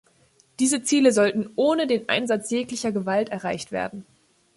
Diese Ziele sollten ohne den Einsatz jeglicher Gewalt erreicht werden.